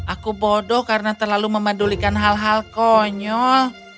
aku bodoh karena terlalu memadulikan hal hal konyol